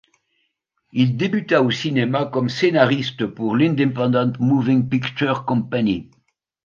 Il débuta au cinéma comme scénariste pour l'Independent Moving Picture Company.